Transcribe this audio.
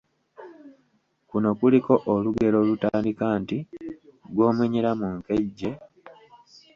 Kuno kuliko olugero olutandika nti : Gw'omenyera mu nkejje,………